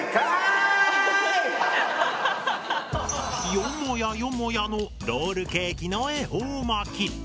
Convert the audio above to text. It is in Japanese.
よもやよもやのロールケーキの恵方巻き。